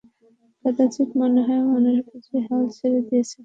কদাচিৎ মনে হয় মানুষ বুঝি হাল ছেড়েই দিয়েছে।